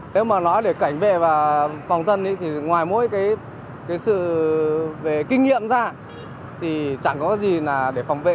nếu mà nó để cảnh vệ và phòng thân thì ngoài mỗi cái sự về kinh nghiệm ra thì chẳng có gì để phòng vệ